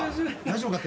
大丈夫か？